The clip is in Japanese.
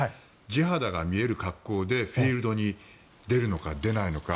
地肌が見える格好でフィールドに出るのか出ないのか。